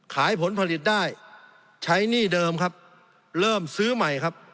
ขายผลผลิตได้ใช้หนี้เดิมครับเริ่มซื้อใหม่ครับ